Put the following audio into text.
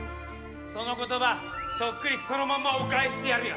その言葉そっくりそのままお返ししてやるよ。